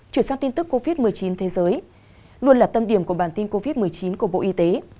chuyển sang tin tức covid một mươi chín thế giới luôn là tâm điểm của bản tin covid một mươi chín của bộ y tế